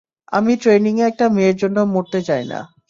আমি ট্রেইনিং এ একটা মেয়ের জন্য মরতে চাই না।